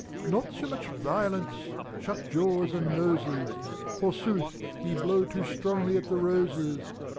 Not so much violence, — shut jaws and noses! Forsooth, ye blow too strongly at the roses.